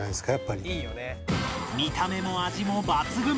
見た目も味も抜群